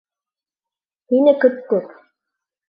Һине көттөк!